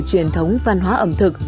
truyền thống văn hóa ẩm thực